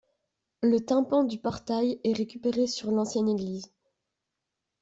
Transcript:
Le tympan du portail est récupéré sur l’ancienne église.